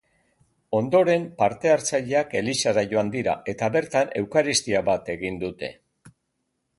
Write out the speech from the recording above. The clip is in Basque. Ondoren, parte-hartzaileak elizara joan dira eta bertan eukaristia bat egin dute.